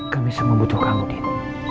kamu semua butuh kamu dit